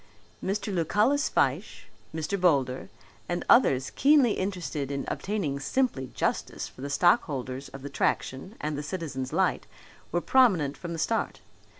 Mr. Lucullus Fyshe, Mr. Boulder, and others keenly interested in obtaining simply justice for the stockholders of the Traction and the Citizens' Light were prominent from the start.